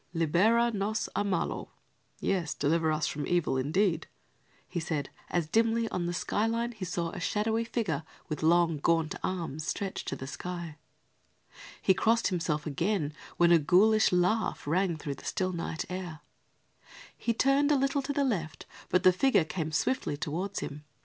"'Libera nos a malo,' yes, deliver us from evil, indeed," he said, as, dimly on the sky line he saw a shadowy figure with long gaunt arms stretched to the sky. He crossed himself again, when a ghoulish laugh rang through the still night air. He turned a little to the left, but the figure came swiftly toward him.